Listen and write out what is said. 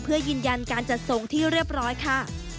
เพื่อยืนยันการจัดส่งที่เรียบร้อยค่ะ